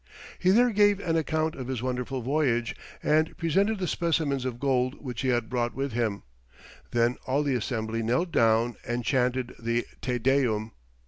He there gave an account of his wonderful voyage, and presented the specimens of gold which he had brought with him; then all the assembly knelt down and chanted the Te Deum.